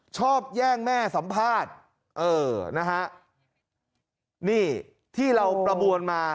แย่งแม่สัมภาษณ์เออนะฮะนี่ที่เราประบวนมา